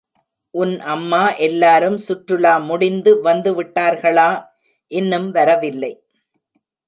உன் அம்மா எல்லாரும் சுற்றுலா முடிந்து வந்து விட்டார்களா? இன்னும் வரவில்லை!